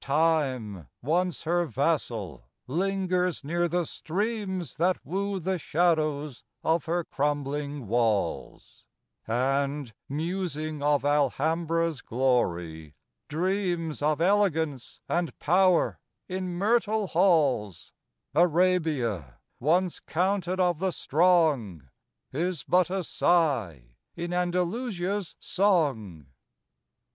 Time, once her vassal, lingers near the streams That woo the shadows of her crumbling walls, And, musing of Alhambra's glory, dreams Of Elegance and Power in Myrtle Halls;— Arabia, once counted of the strong, Is but a sigh in Andalusia's song.